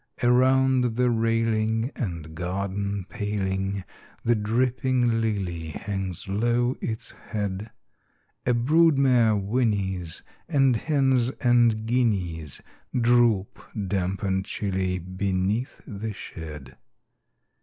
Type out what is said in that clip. Around the railing and garden paling The dripping lily hangs low its head: A brood mare whinnies; and hens and guineas Droop, damp and chilly, beneath the shed.